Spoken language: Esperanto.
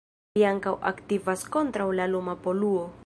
Li ankaŭ aktivas kontraŭ la luma poluo.